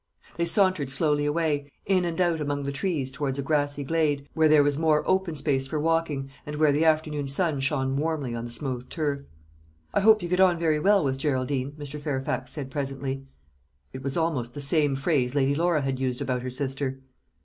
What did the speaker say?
They sauntered slowly away, in and out among the trees, towards a grassy glade, where there was more open space for walking, and where the afternoon sun shone warmly on the smooth turf. "I hope you get on very well with Geraldine?" Mr. Fairfax said presently. It was almost the same phrase Lady Laura had used about her sister.